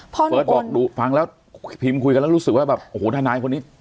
เบิร์ตบอกฟังแล้วพิมพ์คุยกันแล้วรู้สึกว่าแบบโอ้โหทนายคนนี้